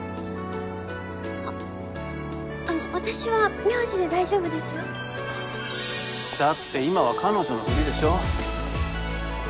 ああの私は名字で大丈夫ですよだって今は彼女のフリでしょ